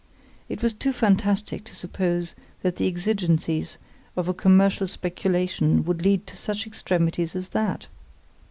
It was too fantastic to suppose that the exigencies of a commercial speculation would lead to such extremities as that.